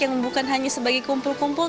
yang bukan hanya sebagai kumpul kumpul